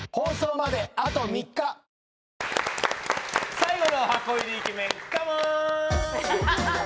最後の箱入りイケメンカモン！